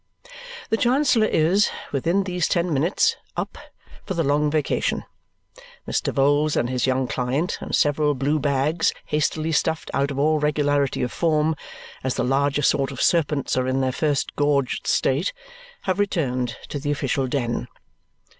The Chancellor is, within these ten minutes, "up" for the long vacation. Mr. Vholes, and his young client, and several blue bags hastily stuffed out of all regularity of form, as the larger sort of serpents are in their first gorged state, have returned to the official den.